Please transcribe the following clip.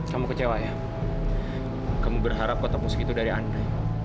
kamu kecewa ya kamu berharap kota musik itu dari anda